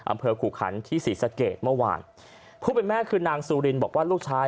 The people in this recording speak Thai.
อำเภอขู่ขันที่ศรีสะเกดเมื่อวานผู้เป็นแม่คือนางซูรินบอกว่าลูกชาย